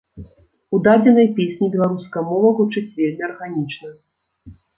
У дадзенай песні беларуская мова гучыць вельмі арганічна.